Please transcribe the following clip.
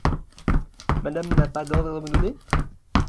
Madame n’a pas d’ordres à me donner ?